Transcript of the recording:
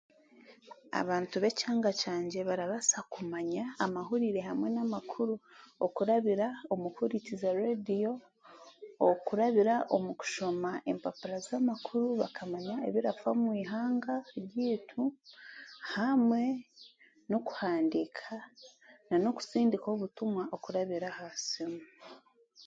Abantu b'ekyanga kyangye barabaasa kumanya amahurire hamwe n'amakuru okurabira omu kuhurikiriza reediyo, okurabira omu kushoma empapura z'amakuru bakamanya ebirafa mu ihanga ryaitu, hamwe n'okuhandiika, nan'okusindika obutumwa okurabira aha simu.